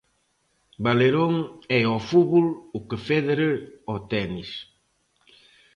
Valerón é ao fútbol o que Federer ao tenis.